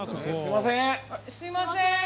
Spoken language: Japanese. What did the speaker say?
すいません！